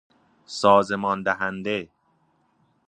سازمان دهنده